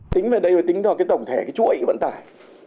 tính vào đây tính vào tổng thể chuỗi vận tải